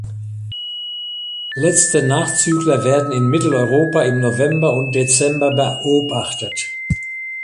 Letzte Nachzügler werden in Mitteleuropa im November und Dezember beobachtet.